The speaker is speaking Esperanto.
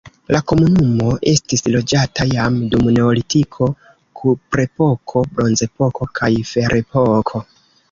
La komunumo estis loĝata jam dum neolitiko, kuprepoko, bronzepoko kaj ferepoko.